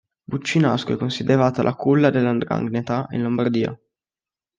Buccinasco è considerata la culla della 'Ndrangheta in Lombardia.